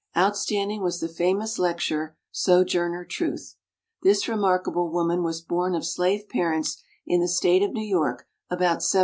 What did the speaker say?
Outstanding was the famous lec turer, Sojourner Truth. This remarkable woman was born of slave parents in the state of New York about 1798.